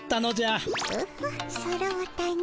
オホッそろうたの。